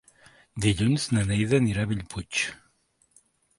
Dilluns na Neida anirà a Bellpuig.